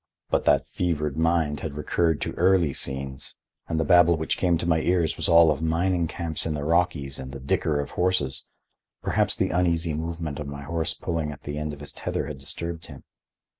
But that fevered mind had recurred to early scenes and the babble which came to my ears was all of mining camps in the Rockies and the dicker of horses. Perhaps the uneasy movement of my horse pulling at the end of his tether had disturbed him.